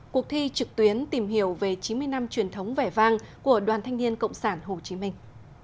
cuộc thi trực tuyến tìm hiểu về chín mươi năm truyền thống vẻ vang của đoàn thanh niên cộng sản hồ chí minh